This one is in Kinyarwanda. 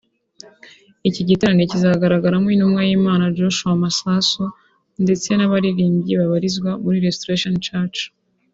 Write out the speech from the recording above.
Iki giterane kizagaragaramo Intumwa y’Imana Yoshua Masasu ndetse n’abaririmbyi babarizwa muri Restoration church